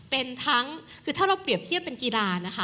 เป็นทั้งคือถ้าเราเปรียบเทียบเป็นกีฬานะคะ